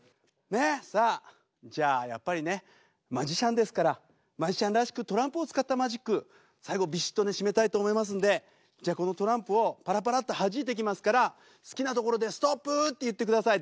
さあじゃあやっぱりねマジシャンですからマジシャンらしくトランプを使ったマジック最後ビシッとね締めたいと思いますんでじゃあこのトランプをパラパラッとはじいていきますから好きなところでストップって言ってください。